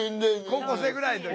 高校生ぐらいの時？